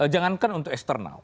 jangankan untuk external